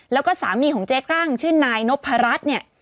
แล้วก็สามีของเจ๊กั้งชื่อนายนพรัชเนี่ย